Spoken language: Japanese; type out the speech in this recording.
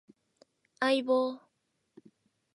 相棒